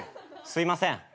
すいません。